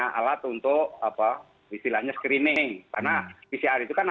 jadi produk kebijakannya itu memang satu ini adalah produk kebijakannya